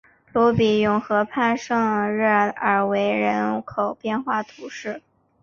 鲁比永河畔圣热尔韦人口变化图示